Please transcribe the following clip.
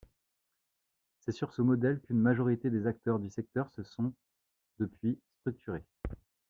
C’est sur ce modèle qu’une majorité des acteurs du secteur se sont depuis structurés.